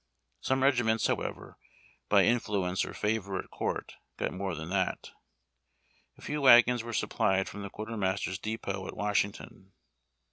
Some regiments, however, by influence or favor at court, got more than that. A few wagons were sup[)lied from the quartermaster's depot at Washington.